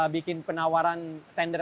bikin penawaran tender